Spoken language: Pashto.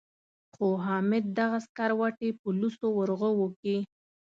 خو حامد دغه سکروټې په لوڅو ورغوو کې.